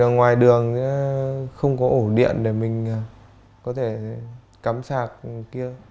ngoài đường không có ổ điện để mình có thể cắm sạc kia